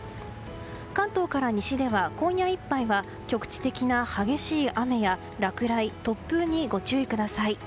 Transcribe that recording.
関東から西では今夜いっぱいは局地的な激しい雨や落雷、突風にご注意ください。